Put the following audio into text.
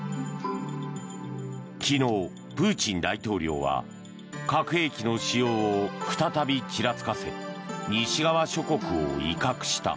昨日、プーチン大統領は核兵器の使用を再びちらつかせ西側諸国を威嚇した。